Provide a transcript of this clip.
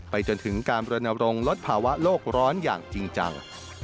จนถึงการบรณรงค์ลดภาวะโลกร้อนอย่างจริงจัง